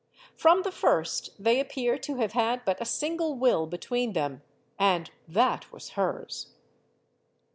From the first, they appear to have had but a single will between them and that was hers.